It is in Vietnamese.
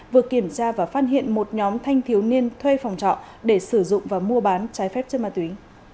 vừa kiểm tra và phát hiện một nhóm thanh thiếu niên thuê phòng trọ để sử dụng và mua bán trái phép chất ma túy